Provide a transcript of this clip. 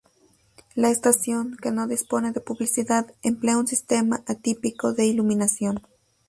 La estación, que no dispone de publicidad, emplea un sistema atípico de iluminación.